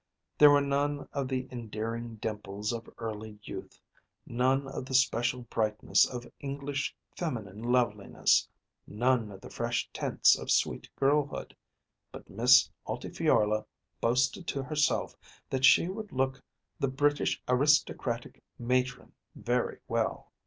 There were none of the endearing dimples of early youth, none of the special brightness of English feminine loveliness, none of the fresh tints of sweet girlhood; but Miss Altifiorla boasted to herself that she would look the British aristocratic matron very well.